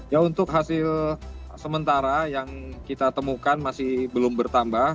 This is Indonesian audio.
ya untuk hasil sementara yang kita temukan masih belum bertambah